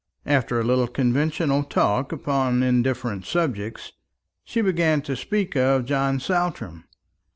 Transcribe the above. After a little conventional talk upon indifferent subjects, she began to speak of John Saltram.